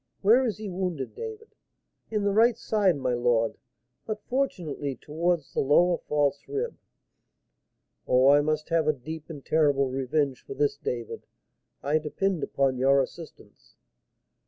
Where is he wounded, David?" "In the right side, my lord; but, fortunately, towards the lower false rib." "Oh, I must have a deep and terrible revenge for this! David, I depend upon your assistance."